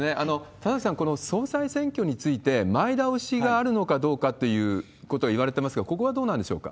田崎さん、この総裁選挙について前倒しがあるのかどうかっていうことを言われてますが、ここはどうなんでしょうか？